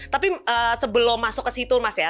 tapi sebelum masuk ke situ mas ya